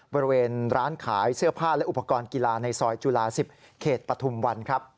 บริเวณร้านขายเสื้อผ้าและอุปกรณ์กีฬาในซอยจุฬา๑๐เขตปฐุมวันครับ